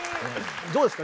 どうですか？